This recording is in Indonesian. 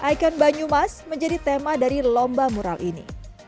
ikon banyumas menjadi tema dari lomba mural ini